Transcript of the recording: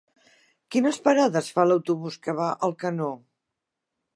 Quines parades fa l'autobús que va a Alcanó?